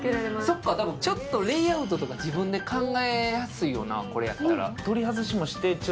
そっか、レイアウトとか自分で考えやすいよな、これやったら。